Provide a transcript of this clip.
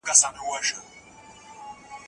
هغه د سترگو ميخانې سوې دي